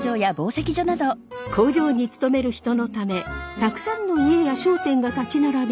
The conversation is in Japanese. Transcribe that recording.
工場に勤める人のためたくさんの家や商店が立ち並び